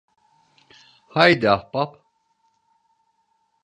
Haydi ahbap.